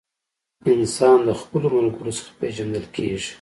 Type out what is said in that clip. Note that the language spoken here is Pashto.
انسان د خپلو ملګرو څخه پیژندل کیږي.